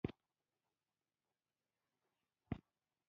سوړ باد دباندې چلېده.